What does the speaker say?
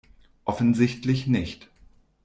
Offensichtlich nicht.